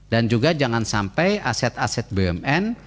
dan juga jangan sampai aset aset bumn